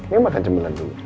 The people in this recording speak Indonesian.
ini makan jam sembilan dulu